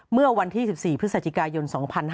เมื่อวันที่๑๔พฤศจิกายน๒๕๕๙